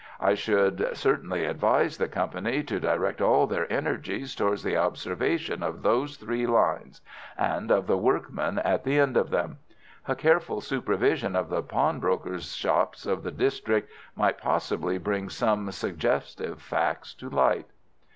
I should certainly advise the company to direct all their energies towards the observation of those three lines, and of the workmen at the end of them. A careful supervision of the pawnbrokers' shops of the district might possibly bring some suggestive facts to light."